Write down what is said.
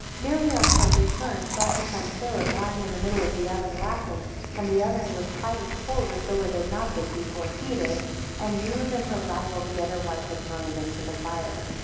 7 Mary on her return saw her son Caleb lying in the middle of the oven laughing, and the oven quite as cold as though it had not been before heated, and knew that her rival the other wife had thrown him into the fire.